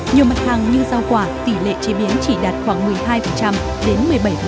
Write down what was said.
nhiều mặt hàng như rau quả tỷ lệ chế biến chỉ đạt khoảng một mươi hai đến một mươi bảy